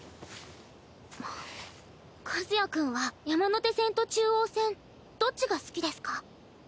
和也君は山手線と中央線どっちが好きですか？